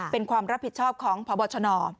เป็นความรับผิดชอบของพบชน